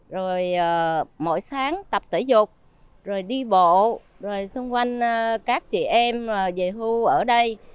rồi mỗi sáng tập thể dục rồi đi bộ rồi xung quanh các chị em về hưu ở đây